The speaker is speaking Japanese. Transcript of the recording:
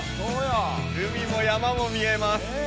海も山も見えます。